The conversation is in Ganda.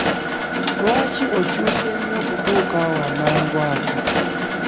Lwaki okyuse nnyo okutuuka awo amangu ago?